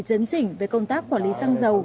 chấn chỉnh về công tác quản lý xăng dầu